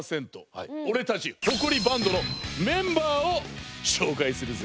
俺たちホコリバンドのメンバーを紹介するぜ。